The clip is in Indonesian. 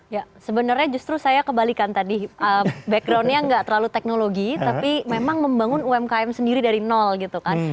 ya sebenarnya justru saya kebalikan tadi backgroundnya nggak terlalu teknologi tapi memang membangun umkm sendiri dari nol gitu kan